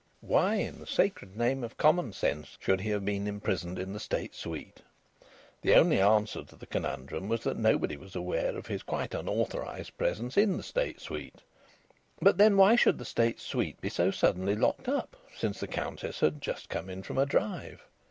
Why, in the sacred name of common sense, should he have been imprisoned in the state suite? The only answer to the conundrum was that nobody was aware of his quite unauthorised presence in the state suite. But then why should the state suite be so suddenly locked up, since the Countess had just come in from a drive?